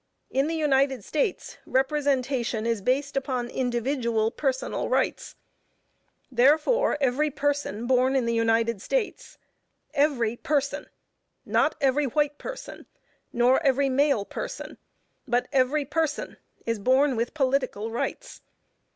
In the United States, representation is based upon individual, personal rights therefore, every person born in the United States every person, not every white person, nor every male person, but every person is born with political rights.